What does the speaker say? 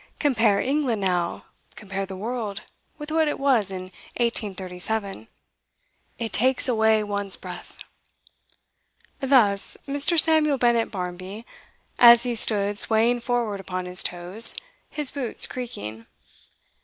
Compare England now, compare the world, with what it was in 1837. It takes away one's breath!' Thus Mr. Samuel Bennett Barmby, as he stood swaying forward upon his toes, his boots creaking.